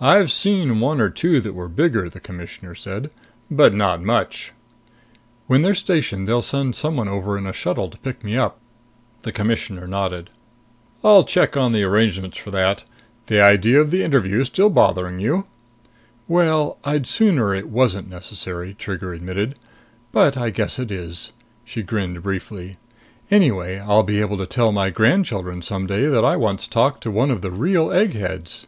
"I've seen one or two that were bigger," the Commissioner said. "But not much." "When they're stationed, they'll send someone over in a shuttle to pick me up." The Commissioner nodded. "I'll check on the arrangements for that. The idea of the interview still bothering you?" "Well, I'd sooner it wasn't necessary," Trigger admitted. "But I guess it is." She grinned briefly. "Anyway, I'll be able to tell my grandchildren some day that I once talked to one of the real egg heads!"